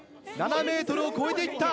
７ｍを超えて行った。